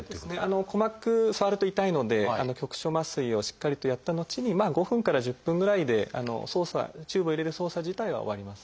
鼓膜触ると痛いので局所麻酔をしっかりとやった後に５分から１０分ぐらいでチューブを入れる操作自体は終わります。